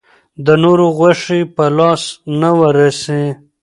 د نورو غوښې په لاس نه وررسي.